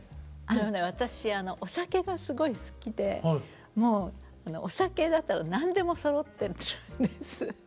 私お酒がすごい好きでもうお酒だったら何でもそろってるんです。